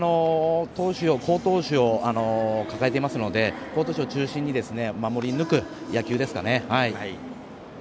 好投手を抱えていますので好投手を中心に守り抜く野球ですかね。